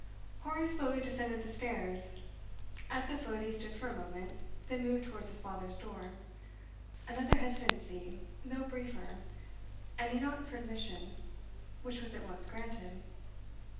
Horace slowly descended the stairs. At the foot he stood for a moment, then moved towards his father's door. Another hesitancy, though briefer, and he knocked for admission, which was at once granted.